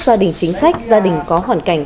gia đình chính sách gia đình có hoàn cảnh